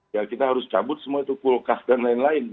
ya kita harus cabut semua itu kulkas dan lain lain